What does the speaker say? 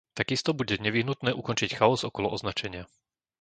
Takisto bude nevyhnutné ukončiť chaos okolo označenia.